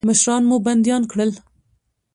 مشران مو بندیان کړل.